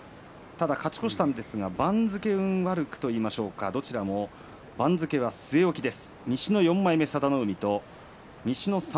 勝ち越したんですが番付運が悪くといいますかどちらも番付は据え置きです。